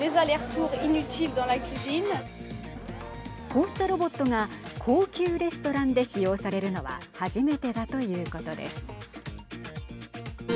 こうしたロボットが高級レストランで使用されるのは初めてだということです。